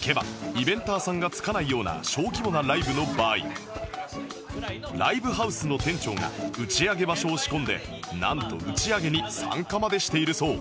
聞けばイベンターさんがつかないような小規模なライブの場合ライブハウスの店長が打ち上げ場所を仕込んでなんと打ち上げに参加までしているそう